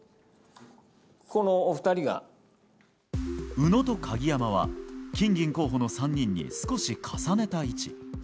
宇野と鍵山は金銀候補の３人に少し重ねた位置。